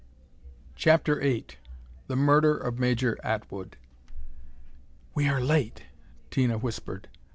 CHAPTER VIII The Murder of Major Atwood "We are late," Tina whispered.